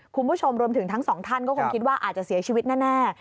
คุณผู้ชมรวมถึงทั้งสองท่านก็คงคิดว่าอาจจะเสียชีวิตแน่